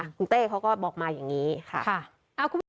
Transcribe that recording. คุณเต้เขาก็บอกมาอย่างนี้ค่ะ